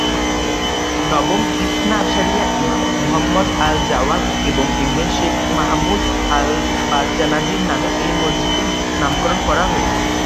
নবম ইসনা আশারিয়া ইমাম, মুহাম্মদ আল-জাওয়াদ এবং একজন শেখ, মাহমুদ আল-বারজানজির নামে এই মসজিদটির নামকরণ করা হয়েছে।